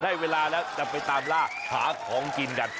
เวลาแล้วจะไปตามล่าหาของกินกัน